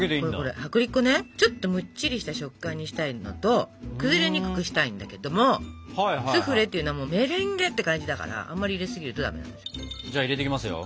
薄力粉ねちょっとむっちりした食感にしたいのと崩れにくくしたいんだけどもスフレっていうのはメレンゲって感じだからあんまり入れすぎるとダメなんですよ。